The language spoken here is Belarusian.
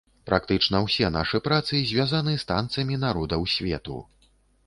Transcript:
Практычна ўсе нашы працы звязаны з танцамі народаў свету.